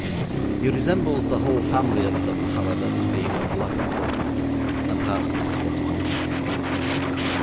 He resembles the whole family of them, however, in being a blackguard, and perhaps this is what is meant.